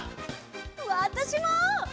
わたしも！